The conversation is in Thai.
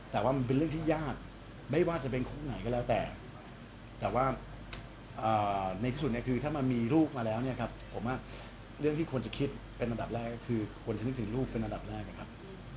แต่ว่ามันเป็นเรื่องที่ยากไม่ว่าจะเป็นคู่ไหนก็แล้วแต่แต่ว่าในที่สุดเนี่ยคือถ้ามันมีลูกมาแล้วเนี่ยครับผมว่าเรื่องที่ควรจะคิดเป็นอันดับแรกก็คือควรจะนึกถึงลูกเป็นอันดับแรกนะครับ